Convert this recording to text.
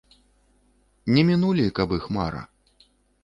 Не мінулі, каб іх мара.